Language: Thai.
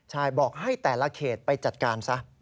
ใช่บอกให้แต่ละเขตไปจัดการซะ